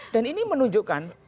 dan ini menunjukkan